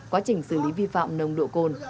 quá trình xử lý vi phạm nồng độ cồn